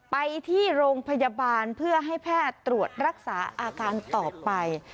ไปที่โรงพยาบาลเพื่อให้แพทย์ตรวจรักษาอาการต่อไป